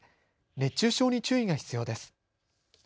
熱中症に注意が必要です。